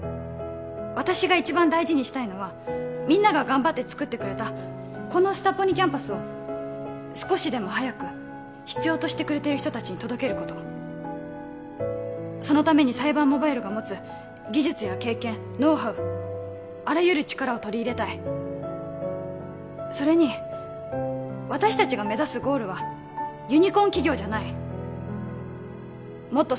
私が一番大事にしたいのはみんなが頑張って作ってくれたこのスタポニキャンパスを少しでも早く必要としてくれている人達に届けることそのためにサイバーモバイルが持つ技術や経験ノウハウあらゆる力を取り入れたいそれに私達が目指すゴールはユニコーン企業じゃないもっと